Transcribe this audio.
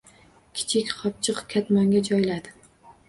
Kichik qopchiq-katmonga joyladi.